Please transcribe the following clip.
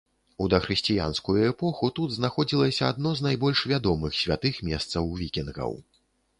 У дахрысціянскую эпоху тут знаходзілася адно з найбольш вядомых святых месцаў вікінгаў.